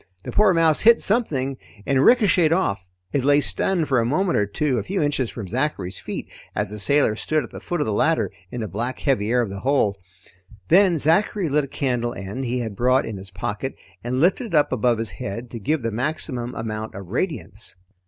The poor mouse hit something and ricocheted off. It lay stunned for a moment or two a few inches from Zachary's feet as the sailor stood at the foot of the ladder in the black heavy air of the hold. Then Zachary lit a candle end he had brought in his pocket, and lifted it up above his head to give the maximum amount of radiance.